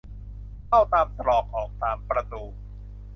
เข้าตามตรอกออกตามประตู